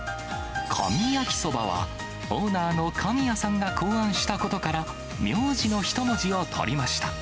神焼きそばは、オーナーの神谷さんが考案したことから、名字の１文字を取りました。